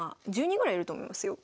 １０人ぐらいいると思いますよ。